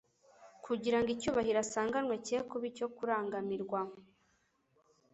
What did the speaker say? kugira ngo icyubahiro asanganywe cye kuba icyo kurangamirwa.